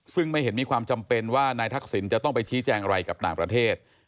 ซึ่งไม่เห็นมีความจำเป็นว่านายทักษิณจะต้องไปชี้แจงอะไรกับต่างประเทศ